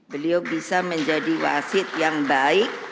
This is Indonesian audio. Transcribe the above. beliau bisa menjadi wasit yang baik